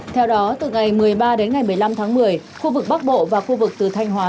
theo đó từ ngày một mươi ba đến ngày một mươi năm tháng một mươi khu vực bắc bộ và khu vực từ thanh hóa